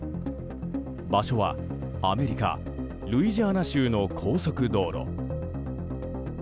場所はアメリカ・ルイジアナ州の高速道路。